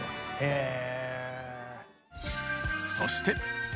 へえ。